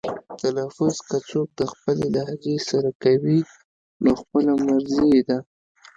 تلفظ که څوک د خپلې لهجې سره کوي نو خپله مرزي یې ده.